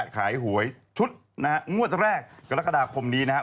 ขายหวยชุดงวดแรกกรกฎาคมนี้นะฮะ